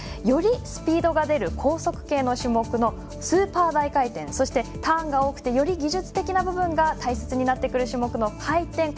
よりスピードが出る高速系の種目のスーパー大回転そして、ターンが多くてより技術的な部分が大切になってくる種目の回転。